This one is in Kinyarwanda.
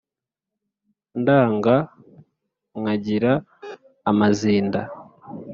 ndanga nkagira amazinda